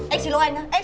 anh xin lỗi anh